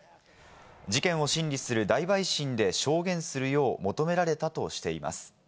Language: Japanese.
事件を審理する大陪審で証言するよう求められたとしています。